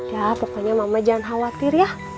ya pokoknya mama jangan khawatir ya